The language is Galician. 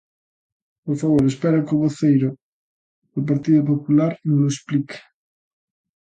Por favor, espero que o voceiro do Partido Popular nolo explique.